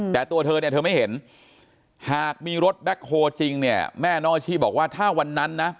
แต่ตัวเธอเนี่ยเธอไม่เห็นหากมีรถแบ็คโฮลจริงเนี่ยแม่น้องอาชีพบอกว่าถ้าวันนั้นนะ